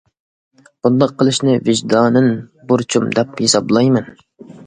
بۇنداق قىلىشنى ۋىجدانەن بۇرچۇم دەپ ھېسابلايمەن.